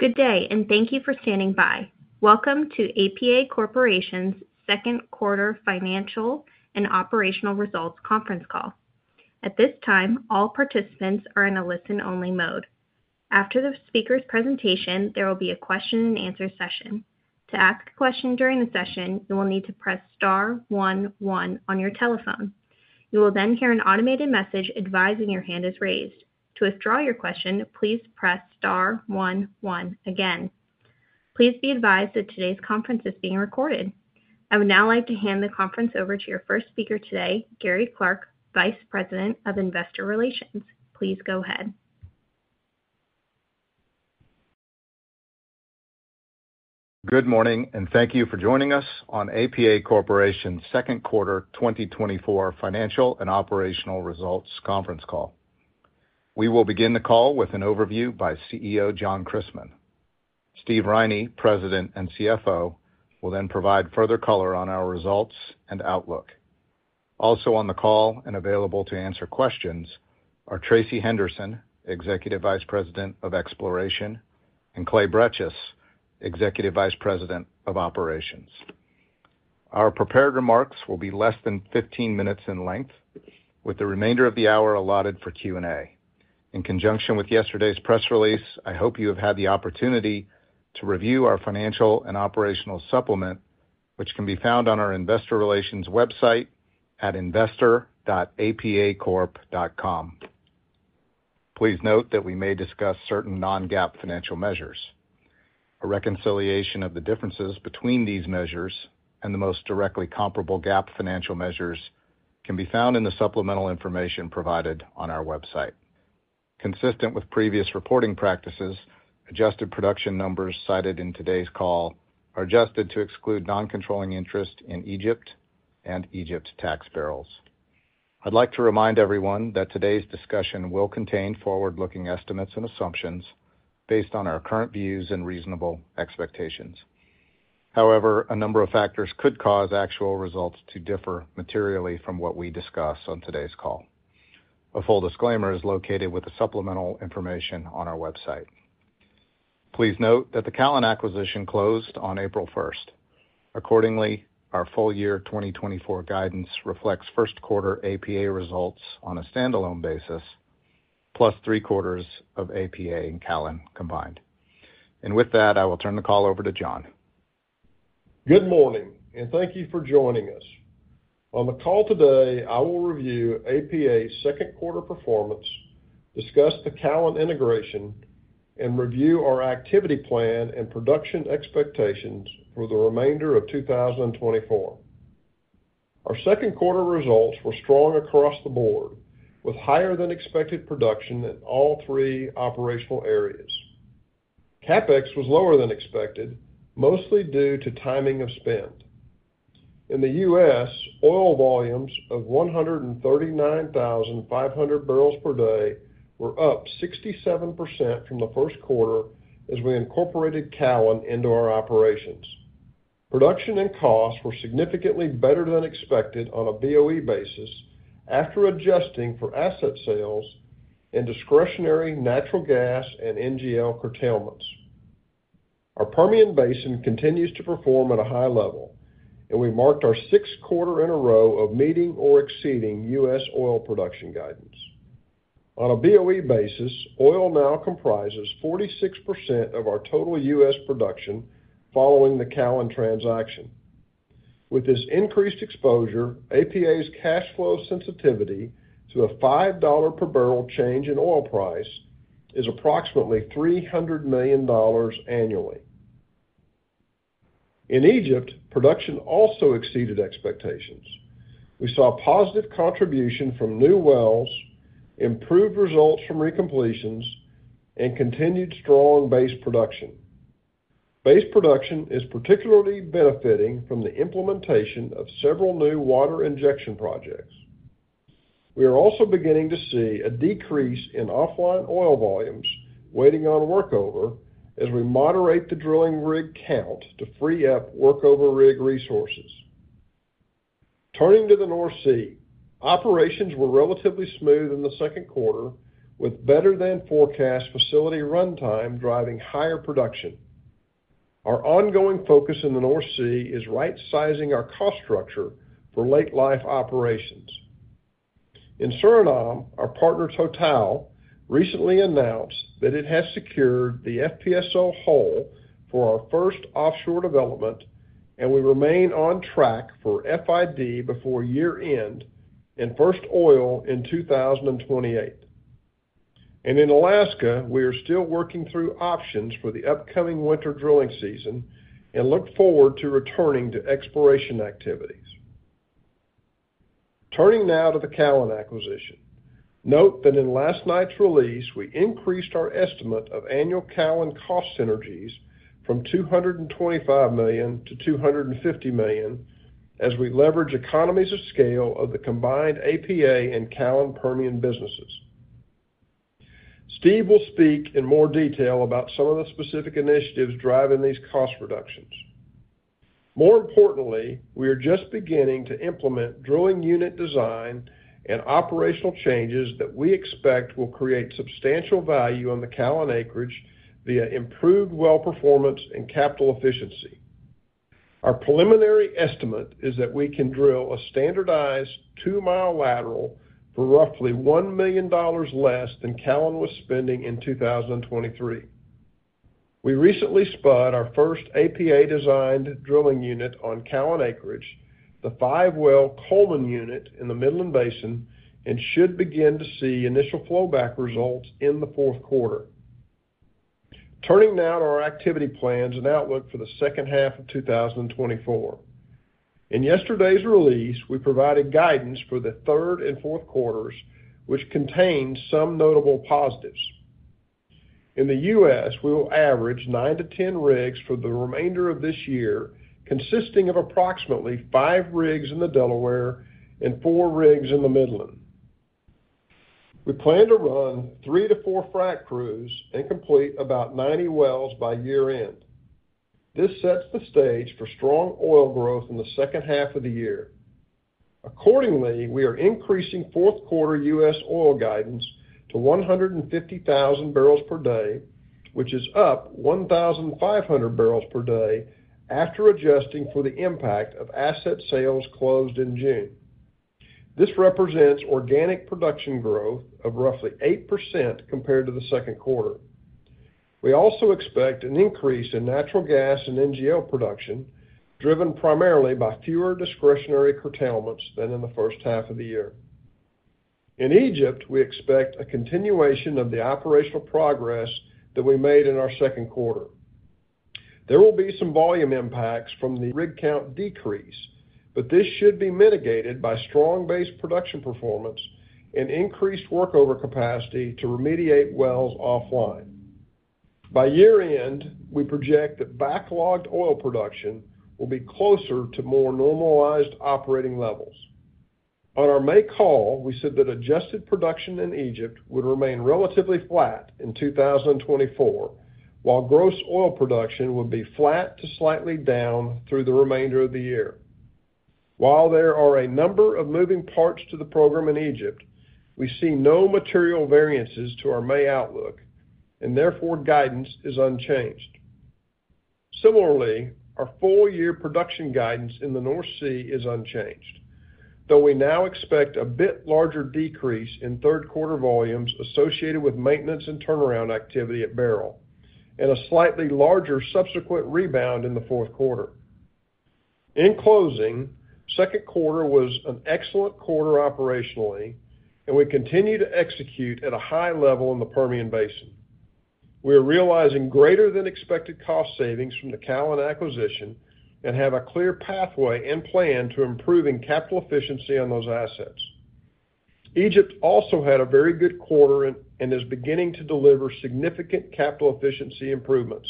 Good day, and thank you for standing by. Welcome to APA Corporation's Second Quarter Financial and Operational Results Conference Call. At this time, all participants are in a listen-only mode. After the speaker's presentation, there will be a question-and-answer session. To ask a question during the session, you will need to press star one one on your telephone. You will then hear an automated message advising your hand is raised. To withdraw your question, please press star one one again. Please be advised that today's conference is being recorded. I would now like to hand the conference over to your first speaker today, Gary Clark, Vice President of Investor Relations. Please go ahead. Good morning, and thank you for joining us on APA Corporation's Second Quarter 2024 Financial and Operational Results Conference Call. We will begin the call with an overview by CEO John Christmann. Stephen Riney, President and CFO, will then provide further color on our results and outlook. Also on the call and available to answer questions are Tracey Henderson, Executive Vice President of Exploration, and Clay Bretches, Executive Vice President of Operations. Our prepared remarks will be less than 15 minutes in length, with the remainder of the hour allotted for Q&A. In conjunction with yesterday's press release, I hope you have had the opportunity to review our financial and operational supplement, which can be found on our investor relations website at investor.apacorp.com. Please note that we may discuss certain non-GAAP financial measures. A reconciliation of the differences between these measures and the most directly comparable GAAP financial measures can be found in the supplemental information provided on our website. Consistent with previous reporting practices, adjusted production numbers cited in today's call are adjusted to exclude non-controlling interest in Egypt and Egypt tax barrels. I'd like to remind everyone that today's discussion will contain forward-looking estimates and assumptions based on our current views and reasonable expectations. However, a number of factors could cause actual results to differ materially from what we discuss on today's call. A full disclaimer is located with the supplemental information on our website. Please note that the Callon acquisition closed on April 1. Accordingly, our full year 2024 guidance reflects first quarter APA results on a standalone basis, plus three quarters of APA and Callon combined. With that, I will turn the call over to John. Good morning, and thank you for joining us. On the call today, I will review APA's second quarter performance, discuss the Callon integration, and review our activity plan and production expectations for the remainder of 2024. Our second quarter results were strong across the board, with higher-than-expected production in all three operational areas. CapEx was lower than expected, mostly due to timing of spend. In the U.S., oil volumes of 139,500 barrels per day were up 67% from the first quarter as we incorporated Callon into our operations. Production and costs were significantly better than expected on a BOE basis after adjusting for asset sales and discretionary natural gas and NGL curtailments. Our Permian Basin continues to perform at a high level, and we marked our sixth quarter in a row of meeting or exceeding U.S. oil production guidance. On a BOE basis, oil now comprises 46% of our total U.S. production following the Callon transaction. With this increased exposure, APA's cash flow sensitivity to a $5 per barrel change in oil price is approximately $300 million annually. In Egypt, production also exceeded expectations. We saw positive contribution from new wells, improved results from recompletions, and continued strong base production. Base production is particularly benefiting from the implementation of several new water injection projects. We are also beginning to see a decrease in offline oil volumes waiting on workover as we moderate the drilling rig count to free up workover rig resources. Turning to the North Sea, operations were relatively smooth in the second quarter, with better-than-forecast facility runtime driving higher production. Our ongoing focus in the North Sea is right-sizing our cost structure for late-life operations. In Suriname, our partner, Total, recently announced that it has secured the FPSO hull for our first offshore development, and we remain on track for FID before year-end and first oil in 2028. In Alaska, we are still working through options for the upcoming winter drilling season and look forward to returning to exploration activities. Turning now to the Callon acquisition. Note that in last night's release, we increased our estimate of annual Callon cost synergies from $225 million-$250 million as we leverage economies of scale of the combined APA and Callon Permian businesses. Steve will speak in more detail about some of the specific initiatives driving these cost reductions. More importantly, we are just beginning to implement drilling unit design and operational changes that we expect will create substantial value on the Callon acreage via improved well performance and capital efficiency. Our preliminary estimate is that we can drill a standardized 2-mile lateral for roughly $1 million less than Callon was spending in 2023. We recently spud our first APA-designed drilling unit on Callon acreage, the 5-well Coleman unit in the Midland Basin, and should begin to see initial flow back results in the fourth quarter. Turning now to our activity plans and outlook for the second half of 2024. In yesterday's release, we provided guidance for the third and fourth quarters, which contained some notable positives. In the U.S., we will average 9-10 rigs for the remainder of this year, consisting of approximately 5 rigs in the Delaware and 4 rigs in the Midland. We plan to run 3-4 frack crews and complete about 90 wells by year-end. This sets the stage for strong oil growth in the second half of the year. Accordingly, we are increasing fourth quarter U.S. oil guidance to 150,000 barrels per day, which is up 1,500 barrels per day, after adjusting for the impact of asset sales closed in June. This represents organic production growth of roughly 8% compared to the second quarter. We also expect an increase in natural gas and NGL production, driven primarily by fewer discretionary curtailments than in the first half of the year. In Egypt, we expect a continuation of the operational progress that we made in our second quarter. There will be some volume impacts from the rig count decrease, but this should be mitigated by strong base production performance and increased workover capacity to remediate wells offline. By year-end, we project that backlogged oil production will be closer to more normalized operating levels. On our May call, we said that adjusted production in Egypt would remain relatively flat in 2024, while gross oil production would be flat to slightly down through the remainder of the year. While there are a number of moving parts to the program in Egypt, we see no material variances to our May outlook, and therefore guidance is unchanged. Similarly, our full-year production guidance in the North Sea is unchanged, though we now expect a bit larger decrease in third quarter volumes associated with maintenance and turnaround activity at Beryl, and a slightly larger subsequent rebound in the fourth quarter. In closing, second quarter was an excellent quarter operationally, and we continue to execute at a high level in the Permian Basin. We are realizing greater than expected cost savings from the Callon acquisition and have a clear pathway and plan to improving capital efficiency on those assets. Egypt also had a very good quarter and is beginning to deliver significant capital efficiency improvements.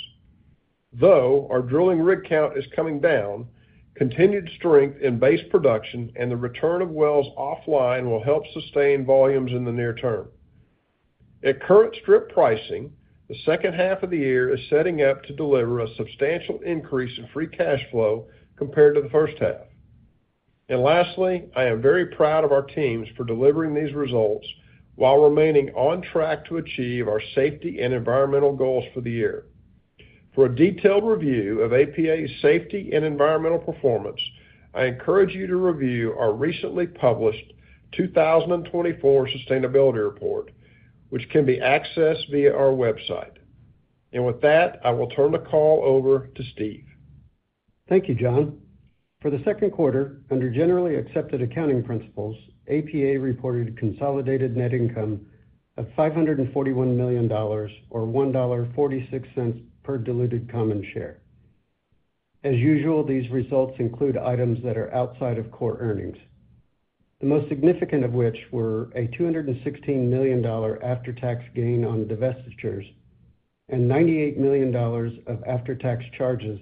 Though our drilling rig count is coming down, continued strength in base production and the return of wells offline will help sustain volumes in the near term. At current Strip Pricing, the second half of the year is setting up to deliver a substantial increase in Free Cash Flow compared to the first half. And lastly, I am very proud of our teams for delivering these results while remaining on track to achieve our safety and environmental goals for the year. For a detailed review of APA's safety and environmental performance, I encourage you to review our recently published 2024 Sustainability Report, which can be accessed via our website. And with that, I will turn the call over to Steve. Thank you, John. For the second quarter, under generally accepted accounting principles, APA reported consolidated net income of $541 million or $1.46 per diluted common share. As usual, these results include items that are outside of core earnings, the most significant of which were a $216 million after-tax gain on divestitures and $98 million of after-tax charges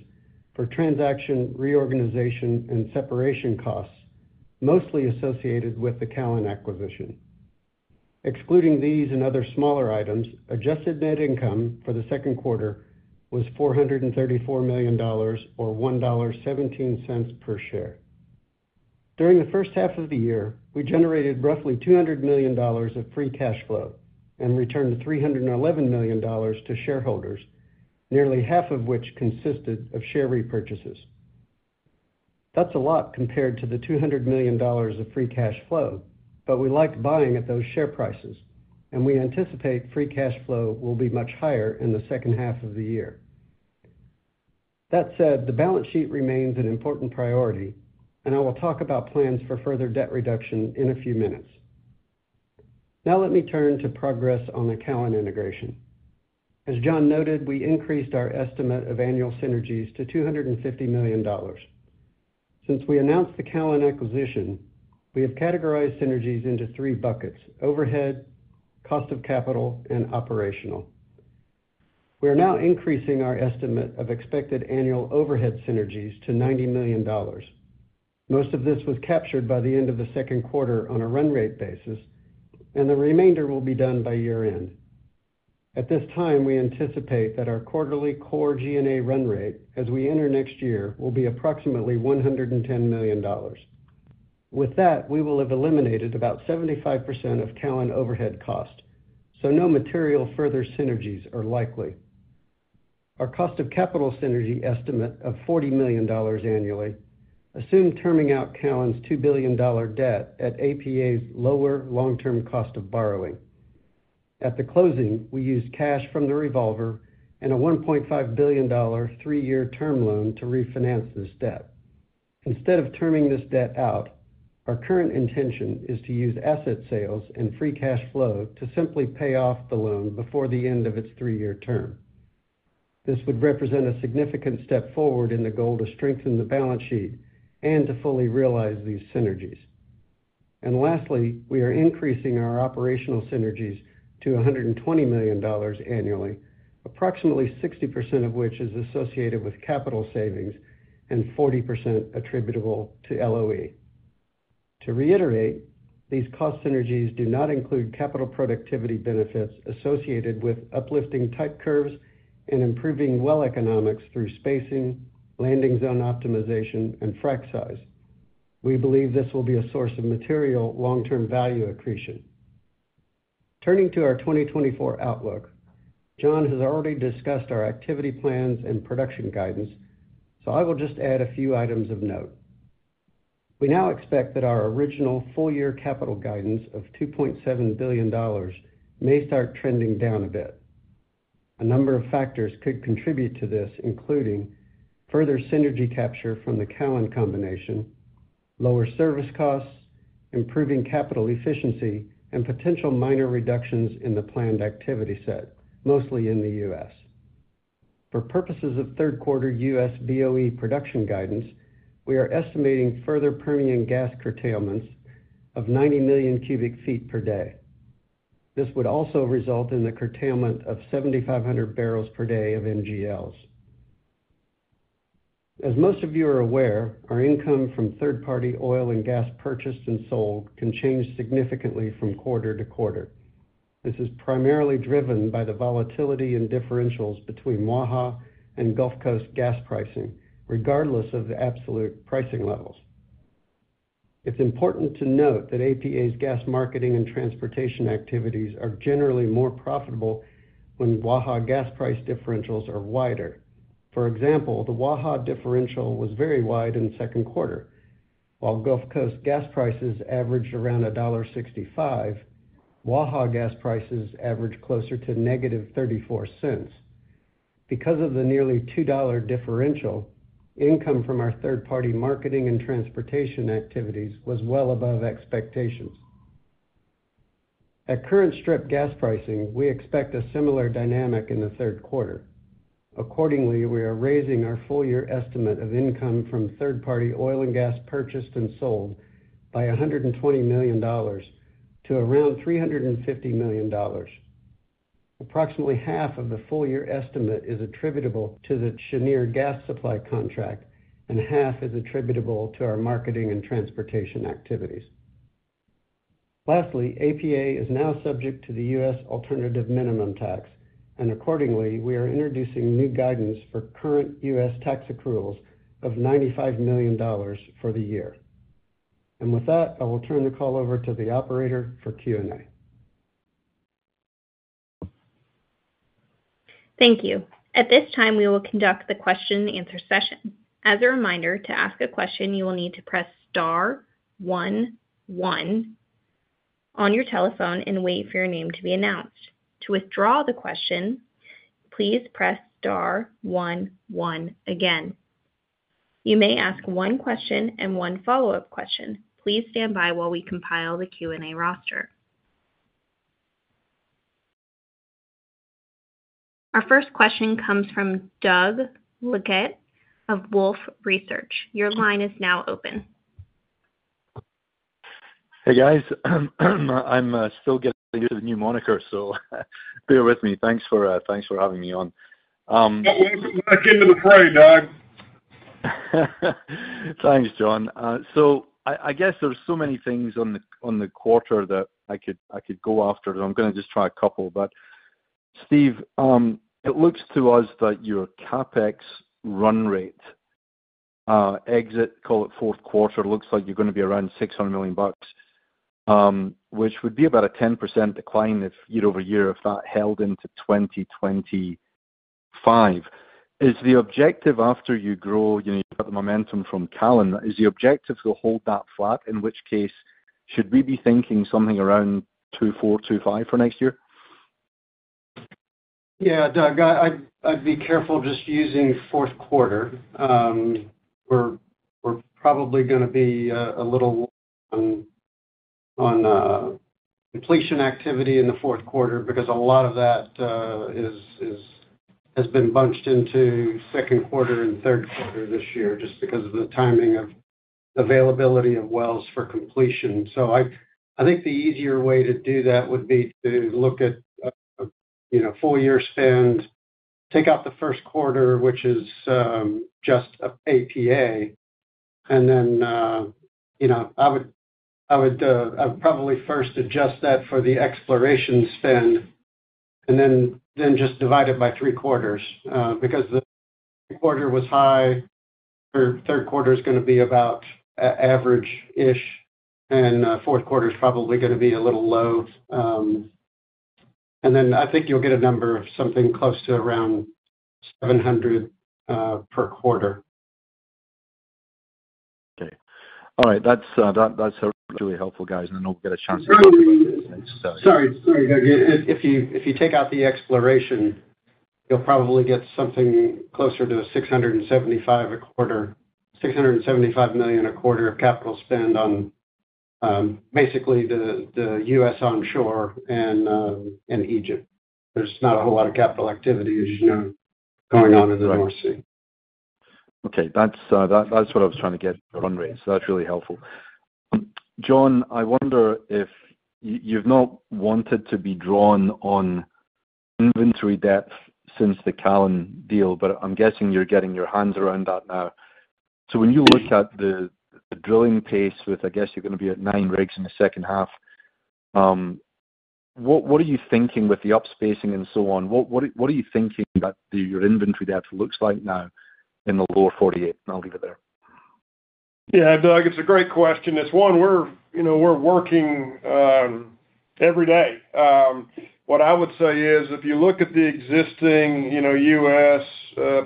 for transaction, reorganization, and separation costs, mostly associated with the Callon acquisition. Excluding these and other smaller items, adjusted net income for the second quarter was $434 million or $1.17 per share. During the first half of the year, we generated roughly $200 million of free cash flow and returned $311 million to shareholders, nearly half of which consisted of share repurchases. That's a lot compared to the $200 million of free cash flow, but we liked buying at those share prices, and we anticipate free cash flow will be much higher in the second half of the year. That said, the balance sheet remains an important priority, and I will talk about plans for further debt reduction in a few minutes. Now let me turn to progress on the Callon integration. As John noted, we increased our estimate of annual synergies to $250 million. Since we announced the Callon acquisition, we have categorized synergies into three buckets: overhead, cost of capital, and operational. We are now increasing our estimate of expected annual overhead synergies to $90 million. Most of this was captured by the end of the second quarter on a run rate basis, and the remainder will be done by year-end. At this time, we anticipate that our quarterly core G&A run rate as we enter next year, will be approximately $110 million. With that, we will have eliminated about 75% of Callon overhead cost, so no material further synergies are likely. Our cost of capital synergy estimate of $40 million annually assume terming out Callon's $2 billion debt at APA's lower long-term cost of borrowing. At the closing, we used cash from the revolver and a $1.5 billion three-year term loan to refinance this debt. Instead of terming this debt out, our current intention is to use asset sales and free cash flow to simply pay off the loan before the end of its three-year term. This would represent a significant step forward in the goal to strengthen the balance sheet and to fully realize these synergies. Lastly, we are increasing our operational synergies to $120 million annually, approximately 60% of which is associated with capital savings and 40% attributable to LOE. To reiterate, these cost synergies do not include capital productivity benefits associated with uplifting type curves and improving well economics through spacing, landing zone optimization, and frack size. We believe this will be a source of material long-term value accretion. Turning to our 2024 outlook, John has already discussed our activity plans and production guidance, so I will just add a few items of note. We now expect that our original full-year capital guidance of $2.7 billion may start trending down a bit. A number of factors could contribute to this, including further synergy capture from the Callon combination, lower service costs, improving capital efficiency, and potential minor reductions in the planned activity set, mostly in the U.S. For purposes of third quarter U.S. BOE production guidance, we are estimating further Permian gas curtailments of 90 million cubic feet per day. This would also result in the curtailment of 7,500 barrels per day of NGLs. As most of you are aware, our income from third-party oil and gas purchased and sold can change significantly from quarter-to-quarter. This is primarily driven by the volatility in differentials between Waha and Gulf Coast gas pricing, regardless of the absolute pricing levels. It's important to note that APA's gas marketing and transportation activities are generally more profitable when Waha gas price differentials are wider. For example, the Waha differential was very wide in the second quarter. While Gulf Coast gas prices averaged around $1.65, Waha gas prices averaged closer to -$0.34. Because of the nearly $2 differential, income from our third-party marketing and transportation activities was well above expectations. At current strip gas pricing, we expect a similar dynamic in the third quarter. Accordingly, we are raising our full year estimate of income from third-party oil and gas purchased and sold by $120 million to around $350 million. Approximately half of the full year estimate is attributable to the Cheniere gas supply contract, and half is attributable to our marketing and transportation activities. Lastly, APA is now subject to the U.S. Alternative Minimum Tax, and accordingly, we are introducing new guidance for current U.S. tax accruals of $95 million for the year. With that, I will turn the call over to the operator for Q&A. Thank you. At this time, we will conduct the question and answer session. As a reminder, to ask a question, you will need to press star one one on your telephone and wait for your name to be announced. To withdraw the question, please press star one one again. You may ask one question and one follow-up question. Please stand by while we compile the Q&A roster. Our first question comes from Doug Leggate of Wolfe Research. Your line is now open. Hey, guys. I'm still getting used to the new moniker, so bear with me. Thanks for having me on. Welcome back into the fray, Doug. Thanks, John. So I guess there's so many things on the quarter that I could go after, so I'm gonna just try a couple. But Steve, it looks to us that your CapEx run rate, exit, call it fourth quarter, looks like you're gonna be around $600 million, which would be about a 10% decline year-over-year, if that held into 2025. Is the objective after you grow, you know, you've got the momentum from Callon, is the objective to hold that flat, in which case, should we be thinking something around $2.4-$2.5 billion for next year? Yeah, Doug, I'd be careful just using fourth quarter. We're probably gonna be a little on completion activity in the fourth quarter because a lot of that has been bunched into second quarter and third quarter this year, just because of the timing of availability of wells for completion. So I think the easier way to do that would be to look at, you know, full year spend, take out the first quarter, which is just APA.... And then, you know, I would probably first adjust that for the exploration spend, and then just divide it by three quarters, because the quarter was high. Third quarter is gonna be about average-ish, and fourth quarter is probably gonna be a little low. And then I think you'll get a number of something close to around 700 per quarter. Okay. All right. That's really helpful, guys, and then I'll get a chance to- Sorry, sorry, Doug. If you, if you take out the exploration, you'll probably get something closer to 675 a quarter—675 million a quarter of capital spend on, basically, the U.S. onshore and, and Egypt. There's not a whole lot of capital activity, as you know, going on in the North Sea. Okay. That's what I was trying to get run rate, so that's really helpful. John, I wonder if you've not wanted to be drawn on inventory depth since the Callon deal, but I'm guessing you're getting your hands around that now. So when you look at the drilling pace, I guess you're gonna be at 9 rigs in the second half, what are you thinking with the up spacing and so on? What are you thinking about your inventory depth looks like now in the lower 48? And I'll leave it there. Yeah, Doug, it's a great question. It's one we're, you know, we're working every day. What I would say is, if you look at the existing, you know, U.S.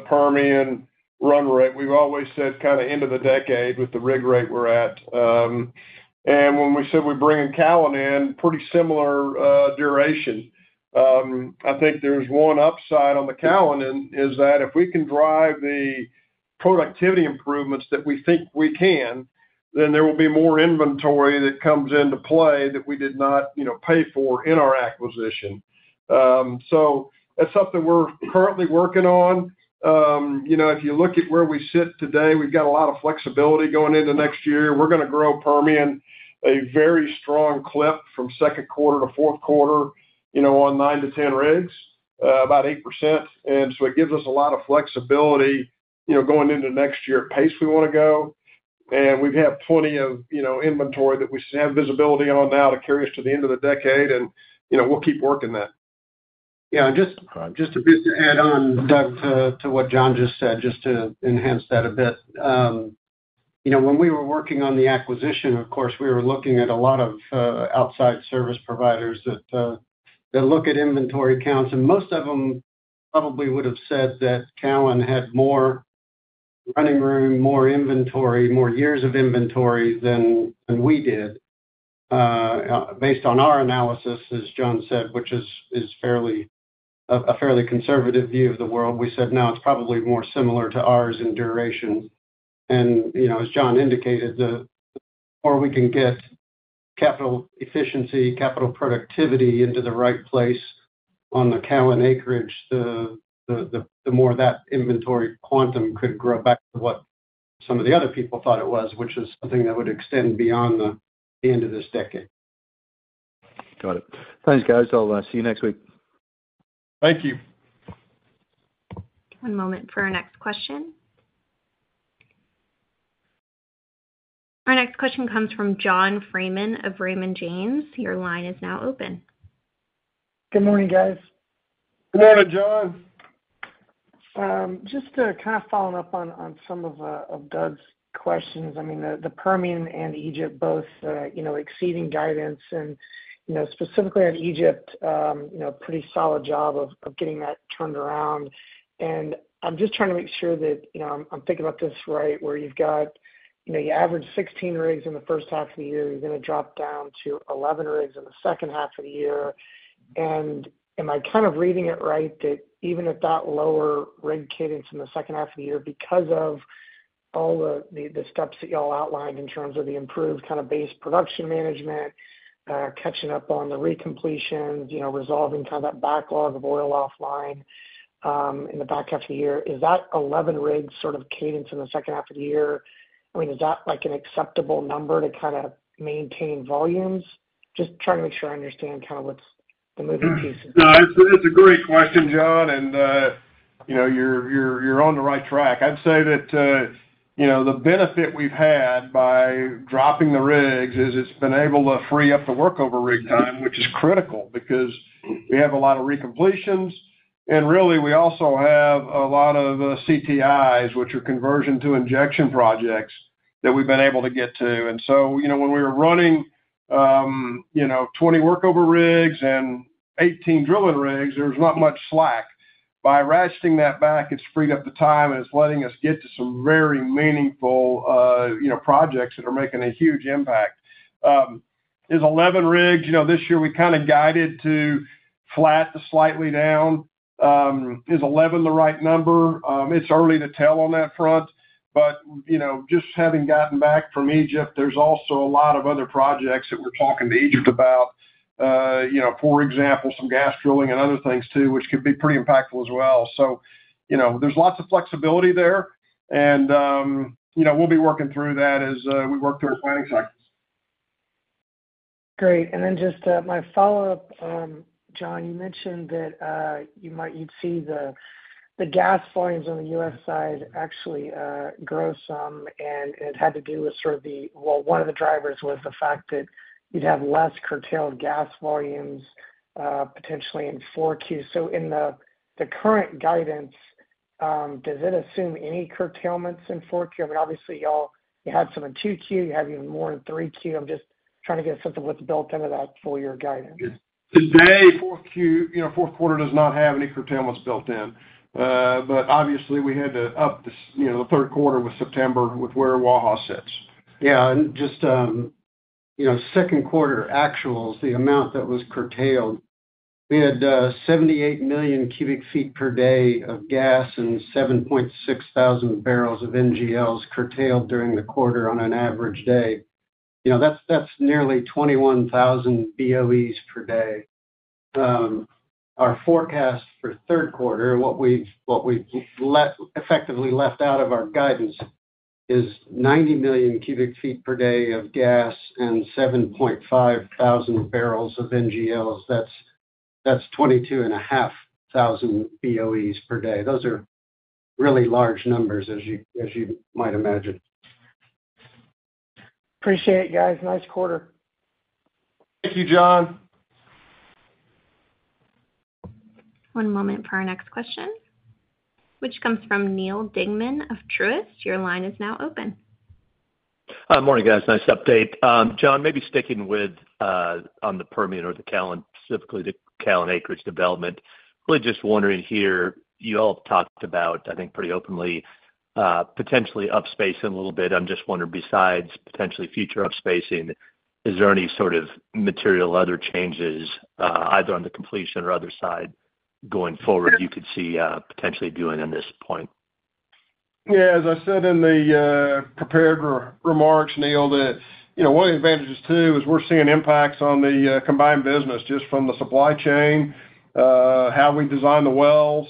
Permian run rate, we've always said kind of end of the decade with the rig rate we're at. And when we said we're bringing Callon in, pretty similar duration. I think there's one upside on the Callon, and is that if we can drive the productivity improvements that we think we can, then there will be more inventory that comes into play that we did not, you know, pay for in our acquisition. So that's something we're currently working on. You know, if you look at where we sit today, we've got a lot of flexibility going into next year. We're gonna grow Permian a very strong clip from second quarter to fourth quarter, you know, on 9-10 rigs, about 8%. So it gives us a lot of flexibility, you know, going into next year pace we wanna go. We've had plenty of, you know, inventory that we have visibility on now to carry us to the end of the decade, and, you know, we'll keep working that. Yeah, and just- Okay. Just a bit to add on, Doug, to what John just said, just to enhance that a bit. You know, when we were working on the acquisition, of course, we were looking at a lot of outside service providers that look at inventory counts, and most of them probably would have said that Callon had more running room, more inventory, more years of inventory than we did. Based on our analysis, as John said, which is a fairly conservative view of the world, we said, "Now, it's probably more similar to ours in duration." And, you know, as John indicated, the more we can get capital efficiency, capital productivity into the right place on the Callon acreage, the more that inventory quantum could grow back to what some of the other people thought it was, which is something that would extend beyond the end of this decade. Got it. Thanks, guys. I'll see you next week. Thank you. One moment for our next question. Our next question comes from John Freeman of Raymond James. Your line is now open. Good morning, guys. Good morning, John. Just to kind of follow up on some of Doug's questions. I mean, the Permian and Egypt both, you know, exceeding guidance and, you know, specifically on Egypt, you know, pretty solid job of getting that turned around. And I'm just trying to make sure that, you know, I'm thinking about this right, where you've got, you know, you average 16 rigs in the first half of the year, you're gonna drop down to 11 rigs in the second half of the year. Am I kind of reading it right, that even at that lower rig cadence in the second half of the year, because of all the steps that you all outlined in terms of the improved kind of base production management, catching up on the recompletions, you know, resolving kind of that backlog of oil offline, in the back half of the year, is that 11 rigs sort of cadence in the second half of the year? I mean, is that, like, an acceptable number to kinda maintain volumes? Just trying to make sure I understand kind of what's the moving pieces. No, it's a great question, John, and you know, you're on the right track. I'd say that you know, the benefit we've had by dropping the rigs is it's been able to free up the workover rig time, which is critical because we have a lot of recompletions. And really, we also have a lot of CTIs, which are conversion to injection projects that we've been able to get to. And so, you know, when we were running you know, 20 workover rigs and 18 drilling rigs, there was not much slack. By ratcheting that back, it's freed up the time, and it's letting us get to some very meaningful you know, projects that are making a huge impact. Is 11 rigs? You know, this year we kinda guided to flat to slightly down. Is 11 the right number? It's early to tell on that front, but, you know, just having gotten back from Egypt, there's also a lot of other projects that we're talking to Egypt about. You know, for example, some gas drilling and other things too, which could be pretty impactful as well. So, you know, there's lots of flexibility there, and, you know, we'll be working through that as, we work through our planning cycle.... Great. And then just, my follow-up, John, you mentioned that, you might, you'd see the, the gas volumes on the U.S. side actually, grow some, and it had to do with sort of the. Well, one of the drivers was the fact that you'd have less curtailed gas volumes, potentially in four Q. So in the, the current guidance, does it assume any curtailments in four Q? I mean, obviously, y'all, you had some in two Q, you have even more in three Q. I'm just trying to get a sense of what's built into that full year guidance. Today, 4Q, you know, fourth quarter does not have any curtailments built in. But obviously, we had to up the, you know, the third quarter with September, with where Waha sits. Yeah, and just, you know, second quarter actuals, the amount that was curtailed, we had 78 million cubic feet per day of gas and 7,600 barrels of NGLs curtailed during the quarter on an average day. You know, that's nearly 21,000 BOEs per day. Our forecast for third quarter, what we've effectively left out of our guidance is 90 million cubic feet per day of gas and 7,500 barrels of NGLs. That's 22,500 BOEs per day. Those are really large numbers, as you might imagine. Appreciate it, guys. Nice quarter. Thank you, John. One moment for our next question, which comes from Neal Dingmann of Truist. Your line is now open. Morning, guys. Nice update. John, maybe sticking with on the Permian or the Callon, specifically, the Callon acreage development. Really just wondering here, you all have talked about, I think, pretty openly, potentially up spacing a little bit. I'm just wondering, besides potentially future up spacing, is there any sort of material other changes, either on the completion or other side going forward you could see, potentially doing on this point? Yeah, as I said in the prepared remarks, Neal, that, you know, one of the advantages, too, is we're seeing impacts on the combined business, just from the supply chain, how we design the wells.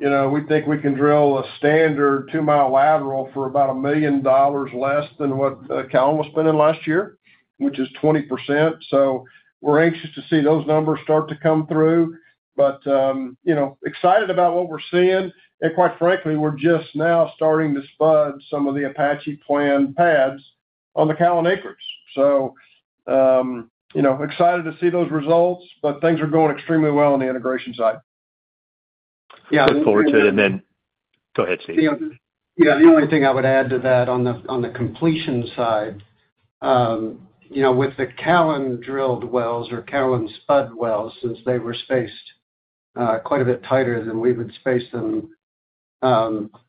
You know, we think we can drill a standard two-mile lateral for about $1 million less than what Callon was spending last year, which is 20%. So we're anxious to see those numbers start to come through. But, you know, excited about what we're seeing. And quite frankly, we're just now starting to spud some of the Apache planned pads on the Callon acres. So, you know, excited to see those results, but things are going extremely well on the integration side. Yeah- Look forward to it, and then... Go ahead, Steve. Yeah, the only thing I would add to that on the, on the completion side, you know, with the Callon-drilled wells or Callon spud wells, since they were spaced quite a bit tighter than we would space them,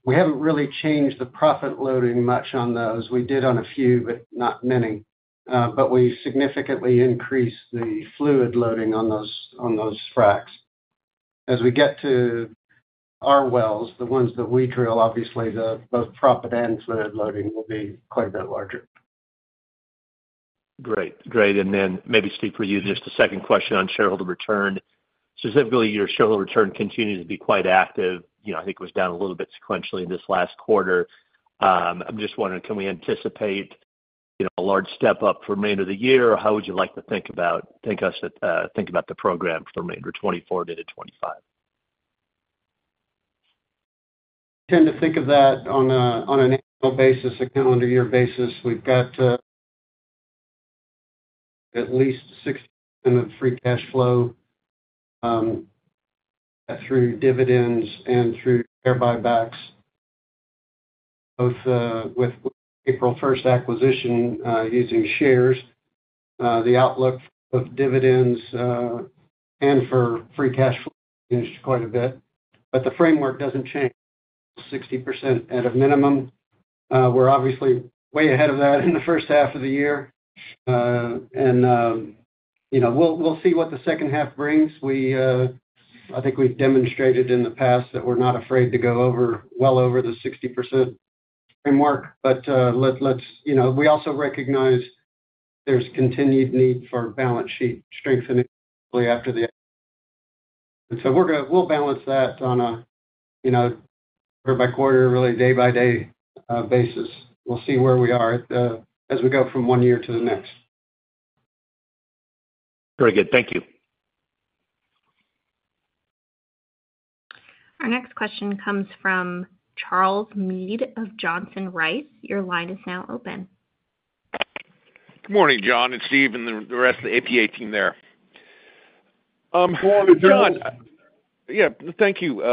we haven't really changed the proppant loading much on those. We did on a few, but not many. But we significantly increased the fluid loading on those, on those fracs. As we get to our wells, the ones that we drill, obviously, the both proppant and fluid loading will be quite a bit larger. Great. Great. And then maybe, Steve, for you, just a second question on shareholder return. Specifically, your shareholder return continues to be quite active. You know, I think it was down a little bit sequentially in this last quarter. I'm just wondering, can we anticipate, you know, a large step up for remainder of the year? Or how would you like to think about, think us, think about the program for remainder of 2024 into 2025? I tend to think of that on a, on an annual basis, a calendar year basis. We've got at least 60% of free cash flow through dividends and through share buybacks, both with April first acquisition using shares, the outlook of dividends and for free cash flow is quite a bit, but the framework doesn't change. 60% at a minimum. We're obviously way ahead of that in the first half of the year. And you know, we'll, we'll see what the second half brings. We, I think we've demonstrated in the past that we're not afraid to go over, well over the 60% framework. But let's, you know, we also recognize there's continued need for balance sheet strengthening after the... So we'll balance that on a, you know, quarter by quarter, really day by day, basis. We'll see where we are at, as we go from one year to the next. Very good. Thank you. Our next question comes from Charles Meade of Johnson Rice. Your line is now open. Good morning, John and Steve and the rest of the APA team there. Good morning, Charles. Yeah. Thank you.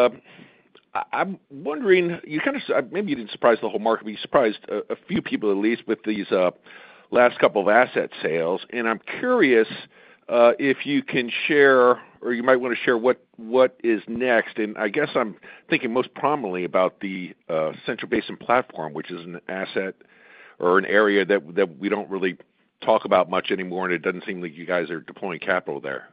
I'm wondering, you kind of maybe you didn't surprise the whole market, but you surprised a few people, at least, with these last couple of asset sales. And I'm curious if you can share or you might want to share what is next. And I guess I'm thinking most prominently about the Central Basin Platform, which is an asset or an area that we don't really talk about much anymore, and it doesn't seem like you guys are deploying capital there.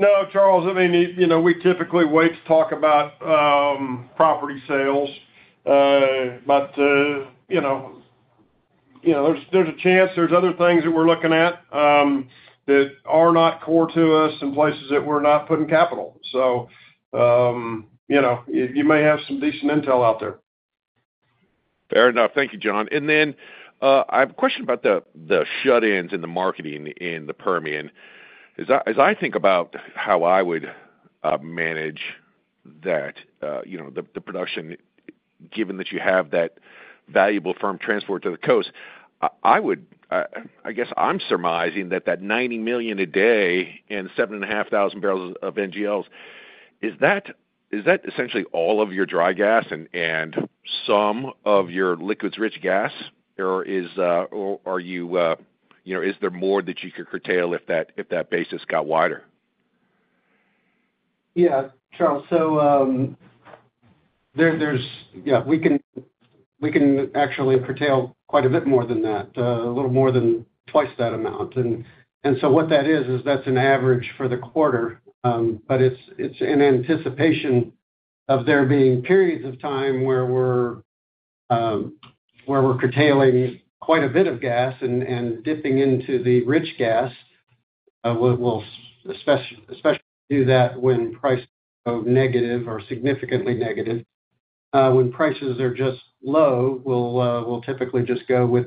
No, Charles, I mean, you know, we typically wait to talk about property sales. But you know, there's a chance there's other things that we're looking at that are not core to us and places that we're not putting capital. So, you know, you may have some decent intel out there.... Fair enough. Thank you, John. And then I have a question about the shut-ins and the marketing in the Permian. As I think about how I would manage that, you know, the production, given that you have that valuable firm transport to the coast, I would, I guess I'm surmising that that 90 million a day and 7,500 barrels of NGLs, is that essentially all of your dry gas and some of your liquids-rich gas? Or is, or are you, you know, is there more that you could curtail if that basis got wider? Yeah, Charles, so there, there's yeah, we can actually curtail quite a bit more than that, a little more than twice that amount. So what that is, is that's an average for the quarter. But it's in anticipation of there being periods of time where we're where we're curtailing quite a bit of gas and dipping into the rich gas. We'll especially do that when prices go negative or significantly negative. When prices are just low, we'll typically just go with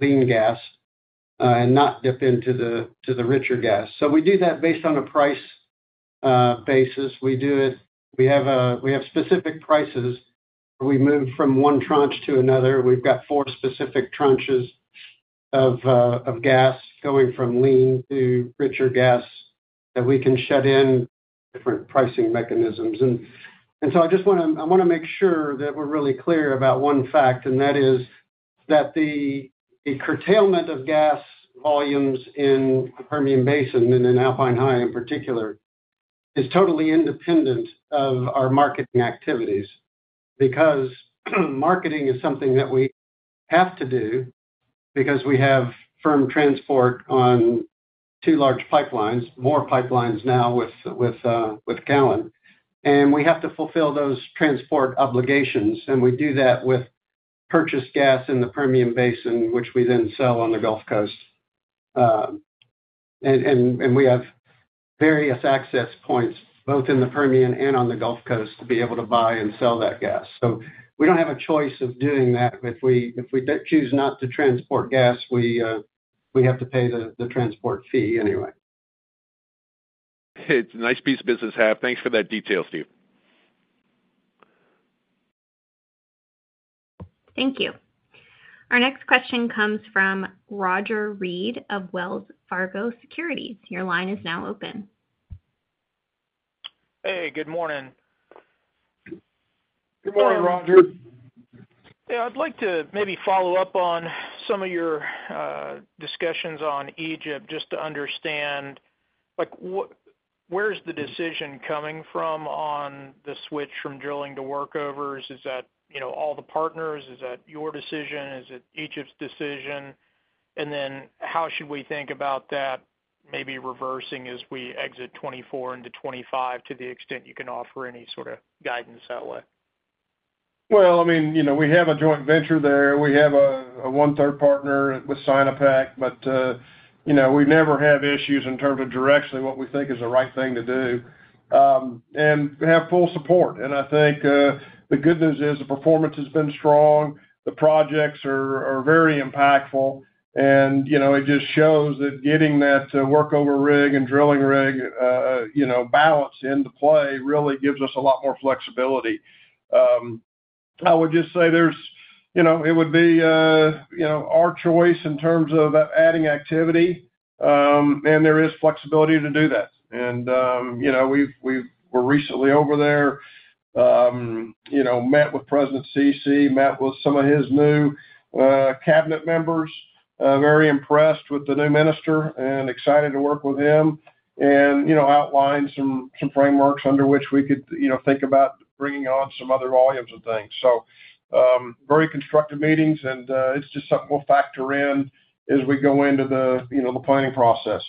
lean gas and not dip into the richer gas. So we do that based on a price basis. We have specific prices. We move from one tranche to another. We've got four specific tranches of gas going from lean to richer gas that we can shut in different pricing mechanisms. And so I just wanna, I wanna make sure that we're really clear about one fact, and that is that the curtailment of gas volumes in the Permian Basin and in Alpine High, in particular, is totally independent of our marketing activities. Because marketing is something that we have to do because we have firm transport on two large pipelines, more pipelines now with Callon. And we have to fulfill those transport obligations, and we do that with purchased gas in the Permian Basin, which we then sell on the Gulf Coast. And we have various access points, both in the Permian and on the Gulf Coast, to be able to buy and sell that gas. We don't have a choice of doing that. If we choose not to transport gas, we have to pay the transport fee anyway. It's a nice piece of business to have. Thanks for that detail, Steve. Thank you. Our next question comes from Roger Read of Wells Fargo Securities. Your line is now open. Hey, good morning. Good morning, Roger. Yeah, I'd like to maybe follow up on some of your discussions on Egypt, just to understand, like, where is the decision coming from on the switch from drilling to workovers? Is that, you know, all the partners? Is that your decision? Is it Egypt's decision? And then how should we think about that maybe reversing as we exit 2024 into 2025, to the extent you can offer any sort of guidance that way? Well, I mean, you know, we have a joint venture there. We have a one-third partner with Sinopec, but, you know, we never have issues in terms of directionally what we think is the right thing to do, and we have full support. And I think, the good news is the performance has been strong, the projects are very impactful, and, you know, it just shows that getting that workover rig and drilling rig, you know, balance into play really gives us a lot more flexibility. I would just say there's, you know, it would be, you know, our choice in terms of adding activity, and there is flexibility to do that. And, you know, we were recently over there, you know, met with President Sisi, met with some of his new, cabinet members. Very impressed with the new minister and excited to work with him and, you know, outlined some frameworks under which we could, you know, think about bringing on some other volumes of things. So, very constructive meetings, and it's just something we'll factor in as we go into the, you know, the planning process.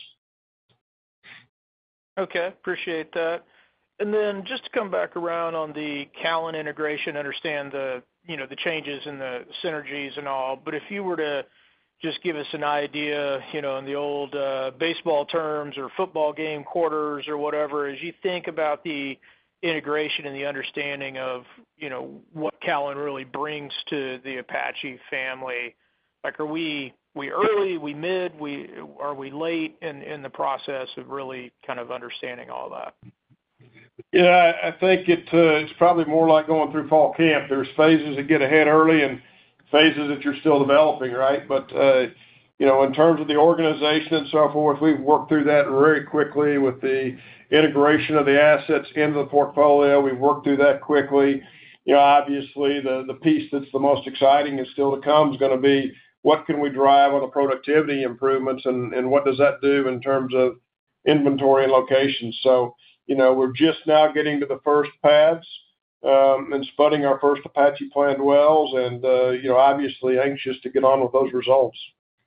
Okay, appreciate that. And then just to come back around on the Callon integration, understand the, you know, the changes and the synergies and all. But if you were to just give us an idea, you know, in the old, baseball terms or football game quarters or whatever, as you think about the integration and the understanding of, you know, what Callon really brings to the Apache family, like, are we, we early, we mid, we-- are we late in, in the process of really kind of understanding all that? Yeah, I think it, it's probably more like going through fall camp. There's phases that get ahead early and phases that you're still developing, right? But, you know, in terms of the organization and so forth, we've worked through that very quickly with the integration of the assets into the portfolio. We've worked through that quickly. You know, obviously, the piece that's the most exciting and still to come is gonna be, what can we drive on the productivity improvements and what does that do in terms of inventory and location? So, you know, we're just now getting to the first pads, and spudding our first Apache planned wells and, you know, obviously anxious to get on with those results.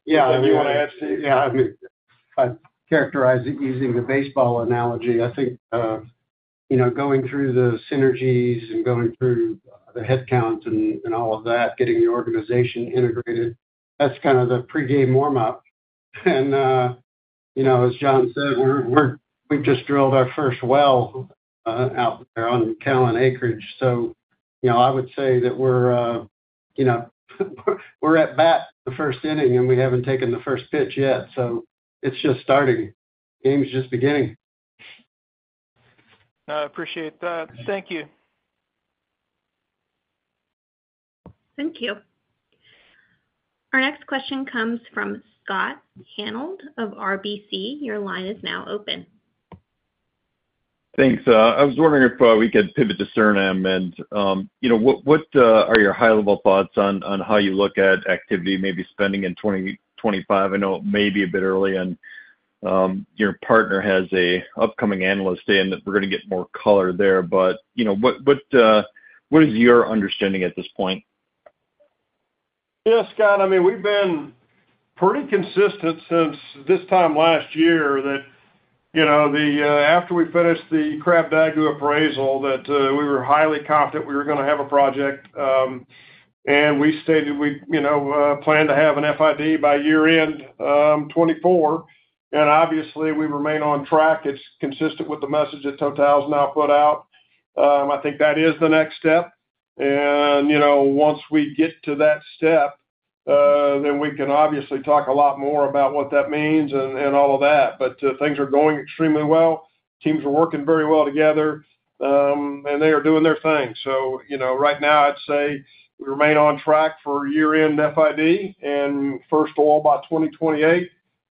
Yeah, anyone want to add to it? Yeah, I'd characterize it using the baseball analogy. I think, you know, going through the synergies and going through the headcount and all of that, getting the organization integrated, that's kind of the pregame warm-up. You know, as John said, we've just drilled our first well out there on Callon acreage. So, you know, I would say that we're, you know, we're at bat the first inning, and we haven't taken the first pitch yet, so it's just starting. The game is just beginning. I appreciate that. Thank you. Thank you. Our next question comes from Scott Hanold of RBC. Your line is now open. Thanks. I was wondering if we could pivot to Suriname and, you know, what are your high-level thoughts on, on how you look at activity, maybe spending in 2025? I know it may be a bit early and, your partner has a upcoming analyst day, and that we're gonna get more color there. But, you know, what is your understanding at this point? Yeah, Scott, I mean, we've been pretty consistent since this time last year that, you know, the, after we finished the Krabdagu appraisal, that, we were highly confident we were gonna have a project. And we stated we, you know, plan to have an FID by year-end 2024, and obviously, we remain on track. It's consistent with the message that Total's now put out. I think that is the next step, and, you know, once we get to that step, then we can obviously talk a lot more about what that means and, and all of that. But, things are going extremely well. Teams are working very well together, and they are doing their thing. You know, right now, I'd say we remain on track for year-end FID and first oil by 2028,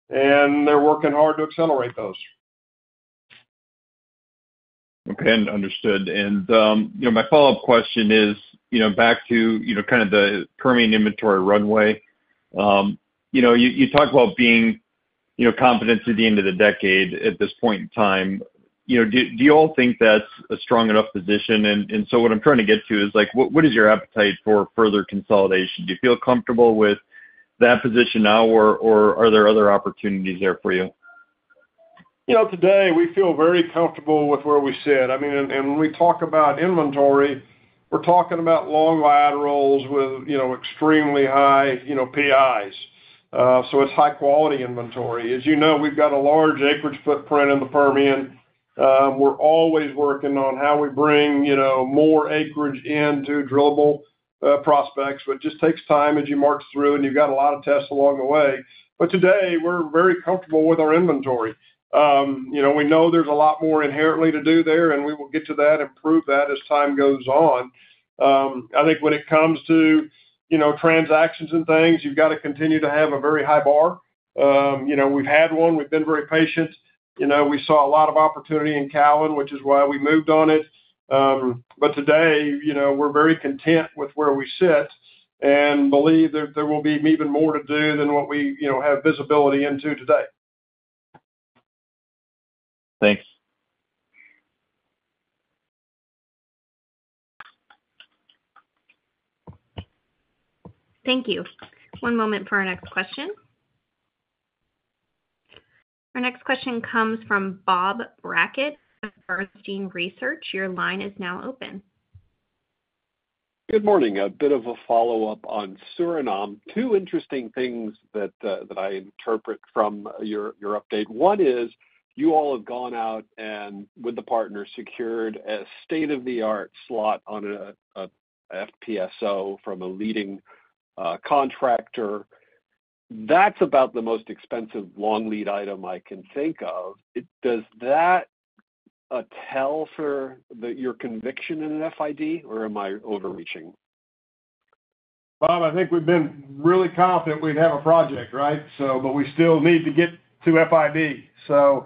and they're working hard to accelerate those. Okay, understood. And, you know, my follow-up question is, you know, back to, you know, kind of the Permian inventory runway. You know, you talked about being, you know, confident through the end of the decade at this point in time. You know, do you all think that's a strong enough position? And so what I'm trying to get to is, like, what is your appetite for further consolidation? Do you feel comfortable with that position now, or are there other opportunities there for you? You know, today, we feel very comfortable with where we sit. I mean, and when we talk about inventory, we're talking about long laterals with, you know, extremely high, you know, PIs. So it's high-quality inventory. As you know, we've got a large acreage footprint in the Permian. We're always working on how we bring, you know, more acreage into drillable prospects, but it just takes time as you march through, and you've got a lot of tests along the way. But today, we're very comfortable with our inventory. You know, we know there's a lot more inherently to do there, and we will get to that and prove that as time goes on. I think when it comes to, you know, transactions and things, you've got to continue to have a very high bar. You know, we've had one. We've been very patient. You know, we saw a lot of opportunity in Callon, which is why we moved on it. But today, you know, we're very content with where we sit and believe that there will be even more to do than what we, you know, have visibility into today. Thanks. Thank you. One moment for our next question. Our next question comes from Bob Brackett of Bernstein Research. Your line is now open. Good morning. A bit of a follow-up on Suriname. Two interesting things that I interpret from your update. One is, you all have gone out and, with the partner, secured a state-of-the-art slot on a FPSO from a leading contractor. That's about the most expensive long lead item I can think of. Does that tell of your conviction in an FID, or am I overreaching? Bob, I think we've been really confident we'd have a project, right? So, but we still need to get to FID. So,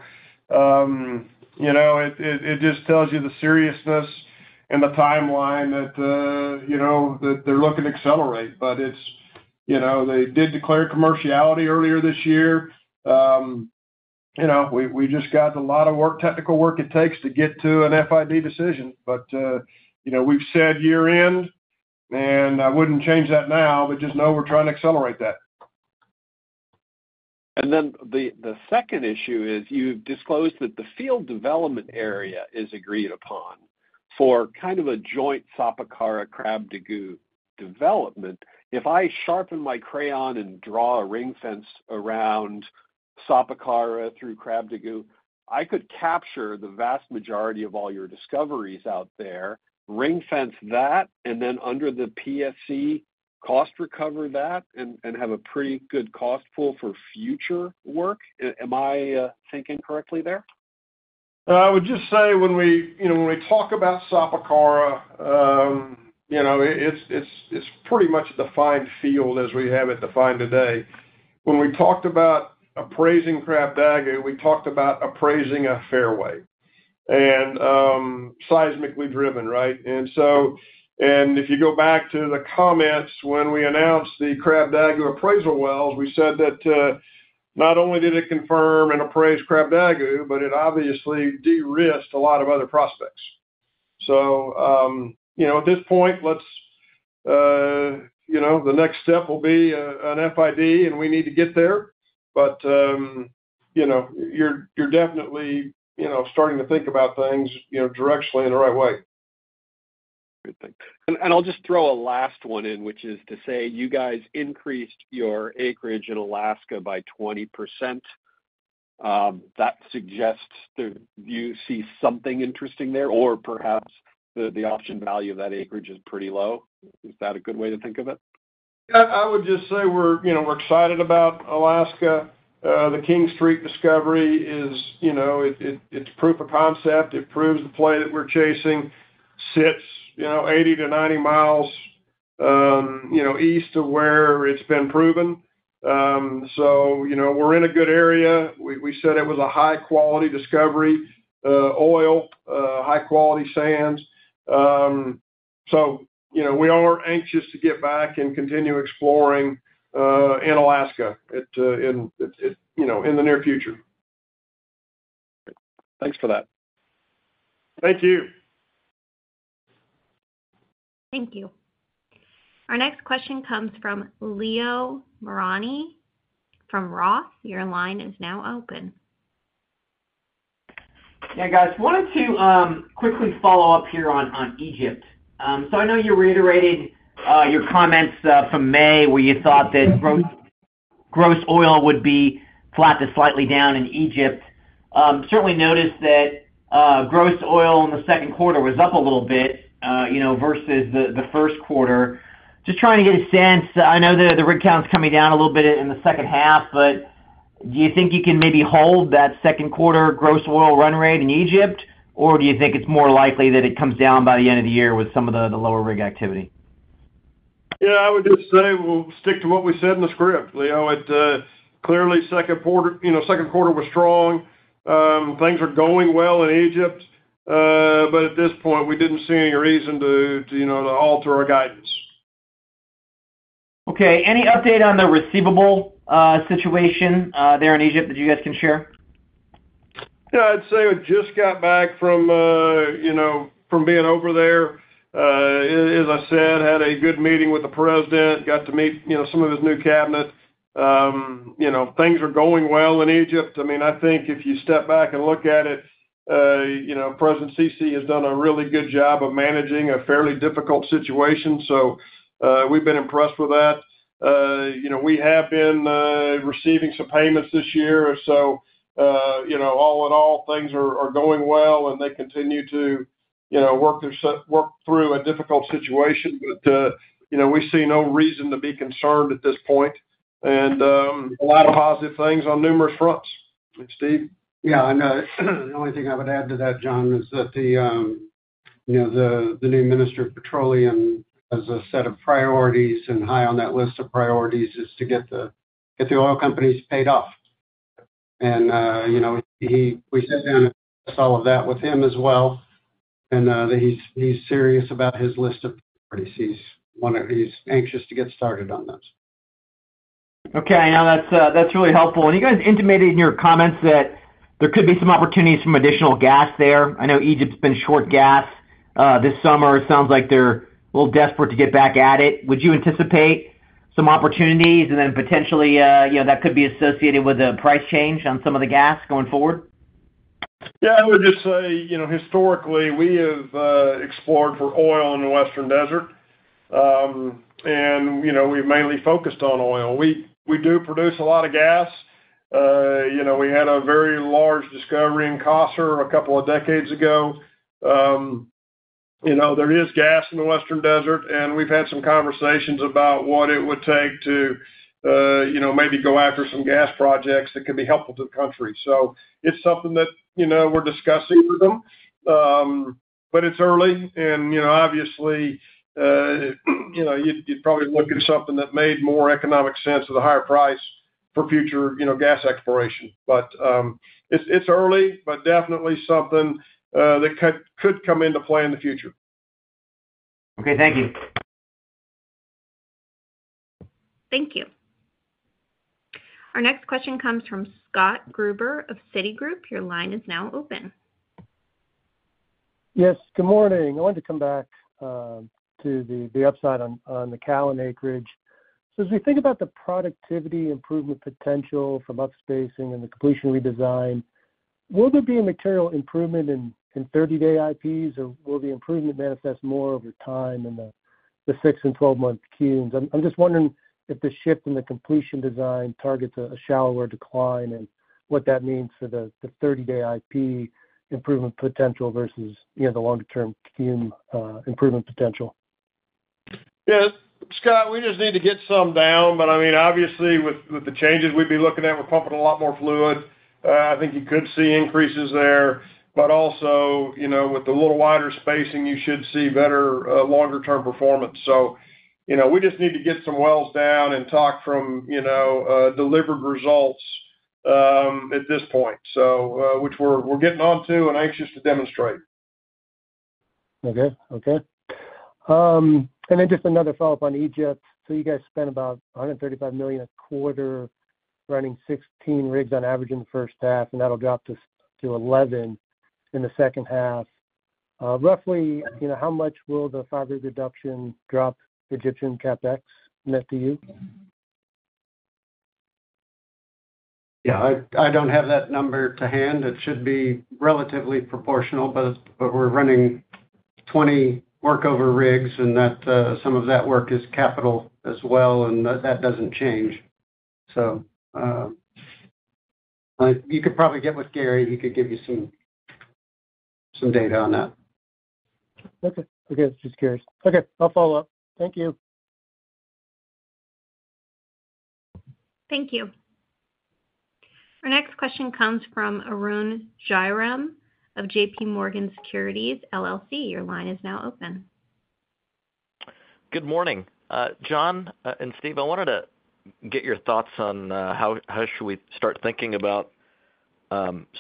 you know, it just tells you the seriousness and the timeline that, you know, that they're looking to accelerate. But it's... You know, they did declare commerciality earlier this year. You know, we just got a lot of work, technical work it takes to get to an FID decision. But, you know, we've said year-end, and I wouldn't change that now, but just know we're trying to accelerate that. And then the second issue is, you've disclosed that the field development area is agreed upon for kind of a joint Sapakara-Krabdagu development. If I sharpen my crayon and draw a ring fence around Sapakara through Krabdagu, I could capture the vast majority of all your discoveries out there, ring fence that, and then under the PFC, cost recover that and have a pretty good cost pool for future work. Am I thinking correctly there? I would just say when we, you know, when we talk about Sapakara, you know, it's pretty much the defined field as we have it defined today. When we talked about appraising Krabdagu, we talked about appraising a fairway and, seismically driven, right? And so, and if you go back to the comments when we announced the Krabdagu appraisal wells, we said that, not only did it confirm and appraise Krabdagu, but it obviously de-risked a lot of other prospects. So, you know, at this point, let's, you know, the next step will be a, an FID, and we need to get there. But, you know, you're, you're definitely, you know, starting to think about things, you know, directionally in the right way. ... Good, thanks. And I'll just throw a last one in, which is to say, you guys increased your acreage in Alaska by 20%. That suggests that you see something interesting there, or perhaps the option value of that acreage is pretty low. Is that a good way to think of it? I would just say we're, you know, we're excited about Alaska. The King Street discovery is, you know, it's proof of concept. It proves the play that we're chasing sits, you know, 80-90 miles, you know, east of where it's been proven. So, you know, we're in a good area. We said it was a high-quality discovery, oil, high-quality sands. So, you know, we all are anxious to get back and continue exploring in Alaska, you know, in the near future. Thanks for that. Thank you. Thank you. Our next question comes from Leo Mariani from ROTH. Your line is now open. Yeah, guys, wanted to quickly follow up here on, on Egypt. So I know you reiterated your comments from May, where you thought that gross, gross oil would be flat to slightly down in Egypt. Certainly noticed that gross oil in the second quarter was up a little bit, you know, versus the, the first quarter. Just trying to get a sense, I know that the rig count is coming down a little bit in the second half, but do you think you can maybe hold that second quarter gross oil run rate in Egypt? Or do you think it's more likely that it comes down by the end of the year with some of the, the lower rig activity? Yeah, I would just say we'll stick to what we said in the script, Leo. It clearly, second quarter, you know, second quarter was strong. Things are going well in Egypt, but at this point, we didn't see any reason to, you know, to alter our guidance. Okay, any update on the receivable situation there in Egypt that you guys can share? Yeah, I'd say I just got back from, you know, from being over there. As I said, had a good meeting with the president, got to meet, you know, some of his new cabinet. You know, things are going well in Egypt. I mean, I think if you step back and look at it, you know, President Sisi has done a really good job of managing a fairly difficult situation, so, we've been impressed with that. You know, we have been receiving some payments this year, so, you know, all in all, things are going well, and they continue to, you know, work through a difficult situation. But, you know, we see no reason to be concerned at this point and, a lot of positive things on numerous fronts. Steve? Yeah, I know. The only thing I would add to that, John, is that, you know, the new Minister of Petroleum has a set of priorities, and high on that list of priorities is to get the oil companies paid off. You know, he, we sat down and discussed all of that with him as well, and that he's serious about his list of priorities. He's one of. He's anxious to get started on this. Okay, now that's really helpful. You guys intimated in your comments that there could be some opportunities for some additional gas there. I know Egypt's been short gas this summer. It sounds like they're a little desperate to get back at it. Would you anticipate some opportunities and then potentially, you know, that could be associated with a price change on some of the gas going forward? Yeah, I would just say, you know, historically, we have explored for oil in the Western Desert. And, you know, we've mainly focused on oil. We, we do produce a lot of gas. You know, we had a very large discovery in Qasr a couple of decades ago. You know, there is gas in the Western Desert, and we've had some conversations about what it would take to, you know, maybe go after some gas projects that could be helpful to the country. So it's something that, you know, we're discussing with them, but it's early and, you know, obviously, you know, you'd, you'd probably look at something that made more economic sense at a higher price for future, you know, gas exploration. But, it's, it's early, but definitely something, that could, could come into play in the future. Okay, thank you. Thank you. Our next question comes from Scott Gruber of Citigroup. Your line is now open. Yes, good morning. I wanted to come back to the upside on the Callon acreage. So as we think about the productivity improvement potential from upspacing and the completion redesign, will there be a material improvement in 30-day IPs, or will the improvement manifest more over time in the 6- and 12-month cumulatives? I'm just wondering if the shift in the completion design targets a shallower decline and what that means for the 30-day IP improvement potential versus, you know, the longer-term cumulative improvement potential. Yeah, Scott, we just need to get some down, but I mean, obviously, with the changes we'd be looking at, we're pumping a lot more fluid. I think you could see increases there, but also, you know, with a little wider spacing, you should see better longer-term performance. So, you know, we just need to get some wells down and talk from, you know, delivered results at this point, so which we're getting on to and anxious to demonstrate. Okay, okay. And then just another follow-up on Egypt. So you guys spent about $135 million a quarter, running 16 rigs on average in the first half, and that'll drop to 11 in the second half. Roughly, you know, how much will the 5-rig reduction drop Egyptian CapEx net to you?... Yeah, I don't have that number to hand. It should be relatively proportional, but we're running 20 workover rigs, and some of that work is capital as well, and that doesn't change. So, you could probably get with Gary. He could give you some data on that. Okay. Okay, just curious. Okay, I'll follow up. Thank you. Thank you. Our next question comes from Arun Jayaram of JPMorgan Securities LLC. Your line is now open. Good morning. John and Steve, I wanted to get your thoughts on how should we start thinking about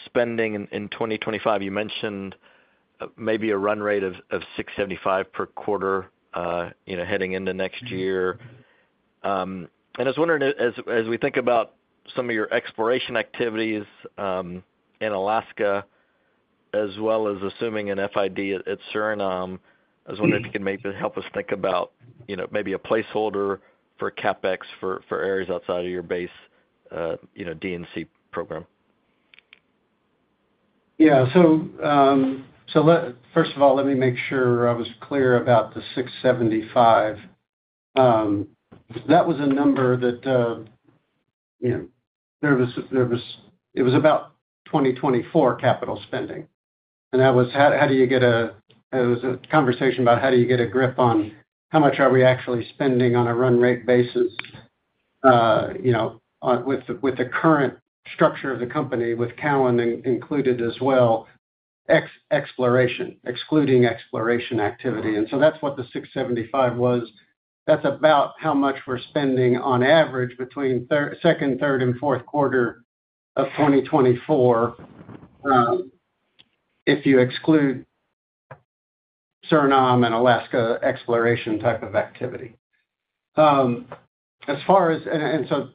spending in 2025? You mentioned maybe a run rate of $675 per quarter, you know, heading into next year. I was wondering, as we think about some of your exploration activities in Alaska, as well as assuming an FID at Suriname, I was wondering if you could maybe help us think about, you know, maybe a placeholder for CapEx for areas outside of your base D&C program. Yeah. So, first of all, let me make sure I was clear about the $675. That was a number that, you know, there was, it was about 2024 capital spending, and that was how do you get a grip on how much are we actually spending on a run rate basis, you know, on with the current structure of the company, with Callon included as well, ex-exploration, excluding exploration activity. And so that's what the $675 was. That's about how much we're spending on average between second, third, and fourth quarter of 2024, if you exclude Suriname and Alaska exploration type of activity. As far as...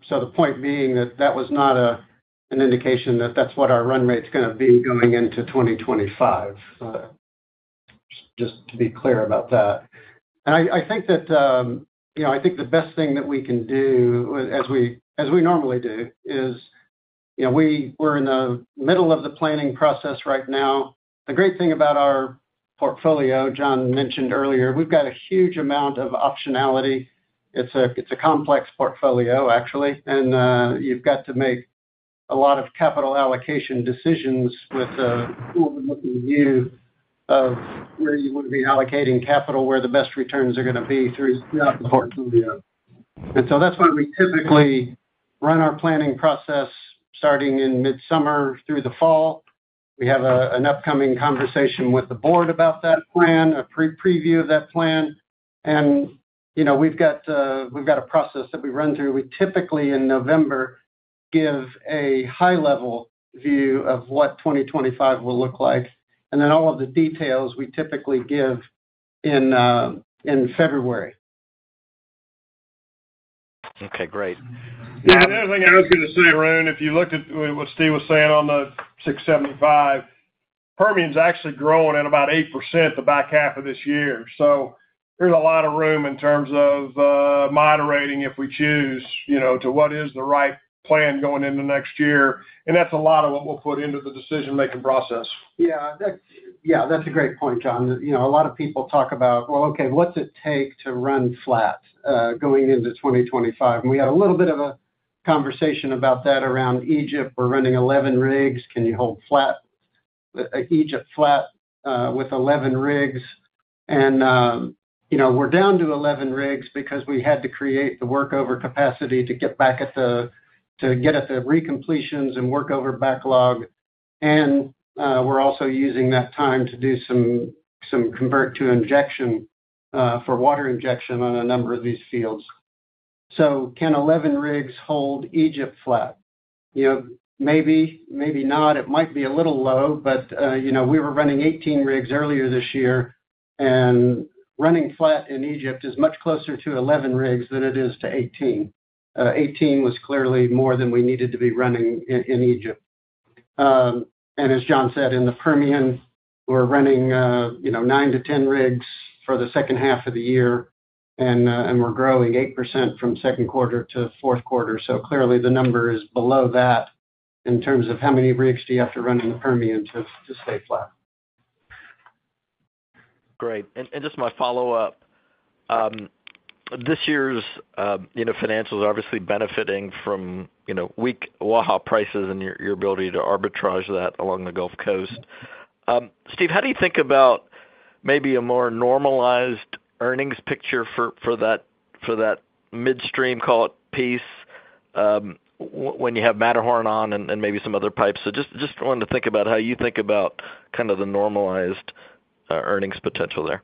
So the point being that that was not an indication that that's what our run rate's gonna be going into 2025, just to be clear about that. I think that, you know, I think the best thing that we can do, as we normally do, is, you know, we're in the middle of the planning process right now. The great thing about our portfolio, John mentioned earlier, we've got a huge amount of optionality. It's a complex portfolio, actually, and you've got to make a lot of capital allocation decisions with a forward-looking view of where you want to be allocating capital, where the best returns are gonna be through the portfolio. So that's why we typically run our planning process starting in midsummer through the fall. We have an upcoming conversation with the board about that plan, a preview of that plan. And, you know, we've got a process that we run through. We typically, in November, give a high-level view of what 2025 will look like, and then all of the details we typically give in February. Okay, great. Yeah, the other thing I was gonna say, Arun, if you looked at what Steve was saying on the 675, Permian's actually growing at about 8% the back half of this year. So there's a lot of room in terms of, moderating, if we choose, you know, to what is the right plan going into next year, and that's a lot of what we'll put into the decision-making process. Yeah, that-- yeah, that's a great point, John. You know, a lot of people talk about: Well, okay, what's it take to run flat going into 2025? And we had a little bit of a conversation about that around Egypt. We're running 11 rigs. Can you hold flat, Egypt flat, with 11 rigs? And, you know, we're down to 11 rigs because we had to create the workover capacity to get at the recompletions and workover backlog. And, we're also using that time to do some convert to injection for water injection on a number of these fields. So can 11 rigs hold Egypt flat? You know, maybe, maybe not. It might be a little low, but you know, we were running 18 rigs earlier this year, and running flat in Egypt is much closer to 11 rigs than it is to 18. 18 was clearly more than we needed to be running in Egypt. And as John said, in the Permian, we're running you know, 9-10 rigs for the second half of the year, and we're growing 8% from second quarter to fourth quarter. So clearly, the number is below that in terms of how many rigs do you have to run in the Permian to stay flat. Great. Just my follow-up, this year's, you know, financials are obviously benefiting from, you know, weak Waha prices and your ability to arbitrage that along the Gulf Coast. Steve, how do you think about maybe a more normalized earnings picture for that midstream, call it, piece, when you have Matterhorn on and maybe some other pipes? So just wanting to think about how you think about kind of the normalized earnings potential there.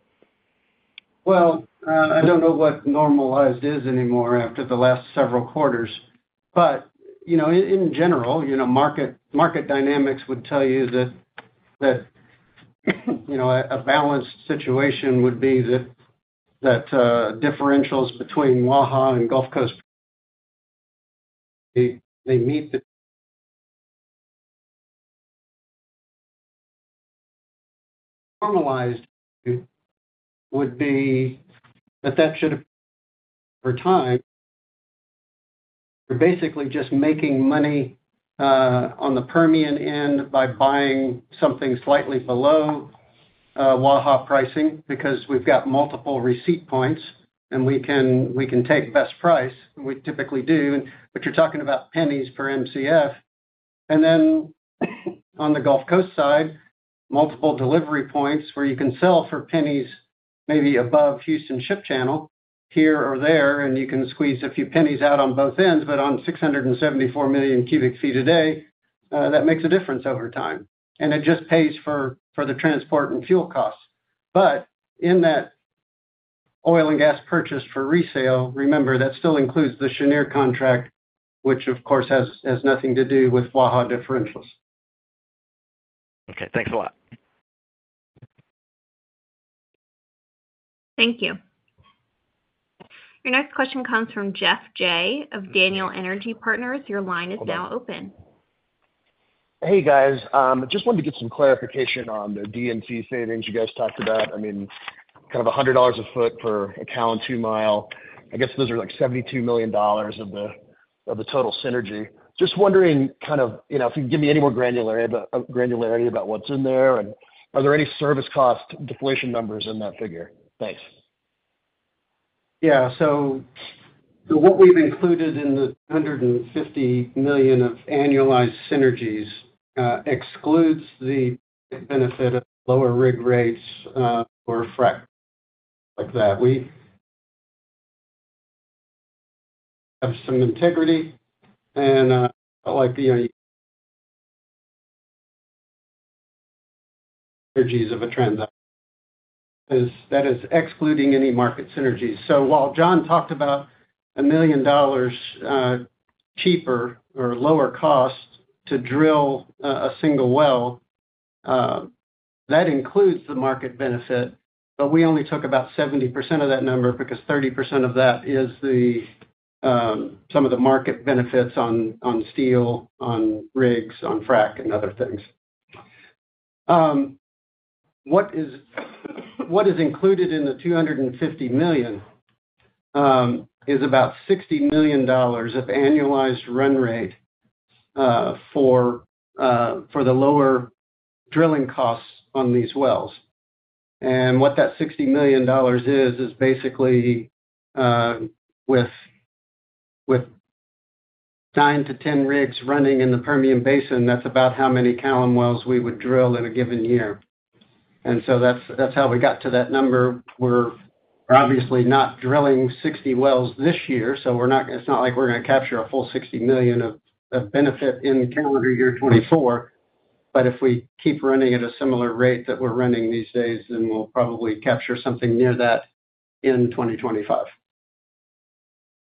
Well, I don't know what normalized is anymore after the last several quarters, but, you know, in general, you know, market dynamics would tell you that a balanced situation would be that differentials between Waha and Gulf Coast normalized would be that that should, over time, we're basically just making money on the Permian end by buying something slightly below Waha pricing, because we've got multiple receipt points, and we can take best price, and we typically do, but you're talking about pennies per Mcf. Then on the Gulf Coast side, multiple delivery points where you can sell for pennies, maybe above Houston Ship Channel, here or there, and you can squeeze a few pennies out on both ends, but on 674 million cubic feet a day, that makes a difference over time, and it just pays for the transport and fuel costs. But in that oil and gas purchase for resale, remember, that still includes the Cheniere contract, which, of course, has nothing to do with Waha differentials. Okay, thanks a lot. Thank you. Your next question comes from Geoff Jay of Daniel Energy Partners. Your line is now open. Hey, guys. Just wanted to get some clarification on the D&C savings you guys talked about. I mean, kind of $100 a foot per Callon 2-mile. I guess those are like $72 million of the, of the total synergy. Just wondering, kind of, you know, if you can give me any more granularity about, granularity about what's in there, and are there any service cost deflation numbers in that figure? Thanks. Yeah. So, so what we've included in the $150 million of annualized synergies excludes the benefit of lower rig rates, or frack like that. We have some integrity and, like the synergies of a trend is... That is excluding any market synergies. So while John talked about $1 million, cheaper or lower cost to drill, a single well, that includes the market benefit, but we only took about 70% of that number, because 30% of that is the, some of the market benefits on, on steel, on rigs, on frack, and other things. What is, what is included in the $250 million, is about $60 million of annualized run rate, for, for the lower drilling costs on these wells. What that $60 million is, is basically, with, with 9-10 rigs running in the Permian Basin, that's about how many Callon wells we would drill in a given year. So that's, that's how we got to that number. We're obviously not drilling 60 wells this year, so we're not, it's not like we're gonna capture a full $60 million of, of benefit in calendar year 2024. But if we keep running at a similar rate that we're running these days, then we'll probably capture something near that in 2025.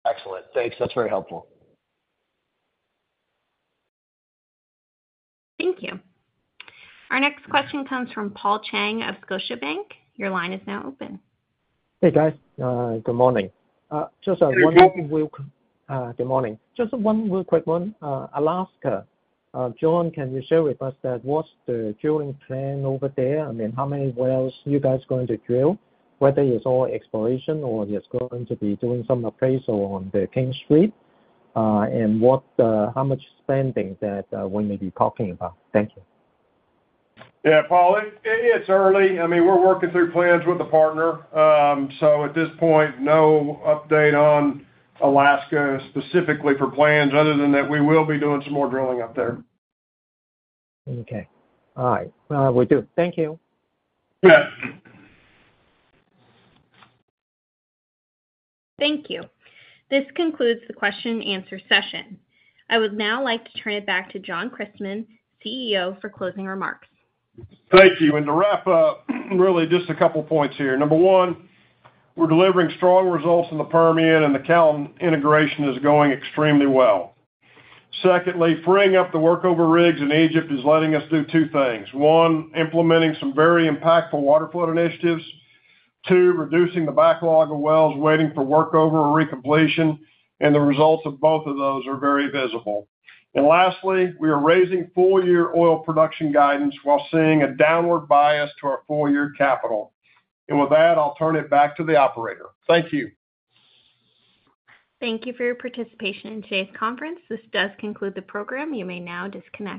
Excellent. Thanks. That's very helpful. Thank you. Our next question comes from Paul Cheng of Scotiabank. Your line is now open. Hey, guys, good morning. Just one quick good morning. Just one real quick one. Alaska. John, can you share with us that, what's the drilling plan over there? I mean, how many wells you guys going to drill, whether it's all exploration or it's going to be doing some appraisal on the King Street, and what, how much spending that, we may be talking about? Thank you. Yeah, Paul, it's early. I mean, we're working through plans with the partner. So at this point, no update on Alaska, specifically for plans, other than that, we will be doing some more drilling up there. Okay. All right. Will do. Thank you. Yeah. Thank you. This concludes the question and answer session. I would now like to turn it back to John Christmann, CEO, for closing remarks. Thank you. And to wrap up, really just a couple points here. Number one, we're delivering strong results in the Permian, and the Callon integration is going extremely well. Secondly, freeing up the workover rigs in Egypt is letting us do two things: one, implementing some very impactful waterflood initiatives, two, reducing the backlog of wells waiting for workover or recompletion, and the results of both of those are very visible. And lastly, we are raising full-year oil production guidance while seeing a downward bias to our full-year capital. And with that, I'll turn it back to the operator. Thank you. Thank you for your participation in today's conference. This does conclude the program. You may now disconnect.